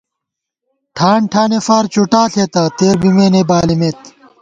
ٹھان ٹھانېفار چُٹا ݪېتہ ، تېر بِمېنے بالِمېت